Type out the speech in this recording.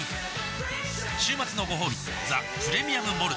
週末のごほうび「ザ・プレミアム・モルツ」